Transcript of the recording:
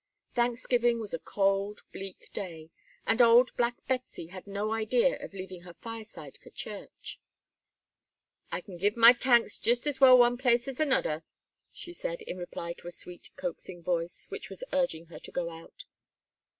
Thanksgiving was a cold, bleak day, and old black Betsey had no idea of leaving her fireside for church. "I can give my tanks jist as well one place as anodder," said she, in reply to a sweet coaxing voice which was urging her to go out.